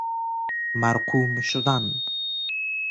مرقوم شدن